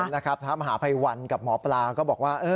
ทางมหาภัยวัลกับหมอปลาก็บอกว่า